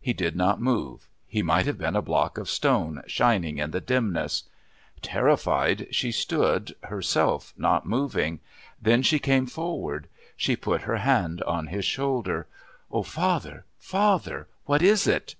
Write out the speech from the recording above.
He did not move; he might have been a block of stone shining in the dimness. Terrified, she stood, herself not moving. Then she came forward. She put her hand on his shoulder. "Oh, father father, what is it?"